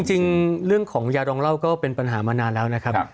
จริงเรื่องของยาดองเหล้าก็เป็นปัญหามานานแล้วนะครับ